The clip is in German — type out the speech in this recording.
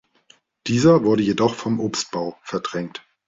Dieser wurde jedoch vom Obstbau verdrängt.